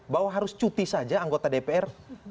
bahwa harus cuti saja anggota dpr